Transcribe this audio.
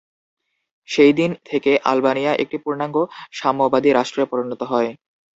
সেই দিন থেকে আলবেনিয়া একটি পূর্ণাঙ্গ সাম্যবাদী রাষ্ট্রে পরিণত হয়।